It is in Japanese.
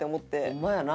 ホンマやな。